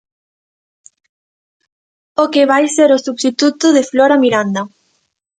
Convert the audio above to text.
O que vai ser o substituto de Flora Miranda.